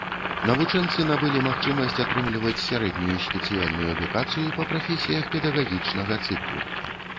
Навучэнцы набылі магчымасць атрымліваць сярэднюю спецыяльную адукацыю па прафесіях педагагічнага цыклу.